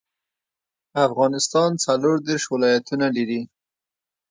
.اففانستان څلور دېرش ولايتونه لري